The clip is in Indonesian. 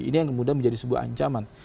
ini yang kemudian menjadi sebuah ancaman